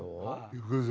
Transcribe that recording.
行くぞ！